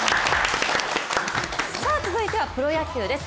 続いてはプロ野球です。